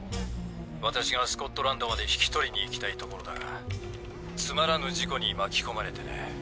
私がスコットランドまで引き取りに行きたいところだがつまらぬ事故に巻き込まれてね。